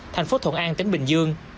thành phố thuận an tỉnh bình dương